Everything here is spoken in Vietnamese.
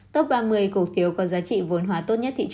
tốc ba mươi cổ phiếu có giá trị vôn hóa tốt nhất